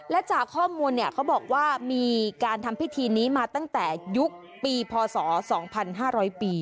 และจากข้อมูลเนี่ยเขาบอกว่ามีการทำพิธีนี้มาตั้งแต่ยุคปีพศ๒๕๐๐ปี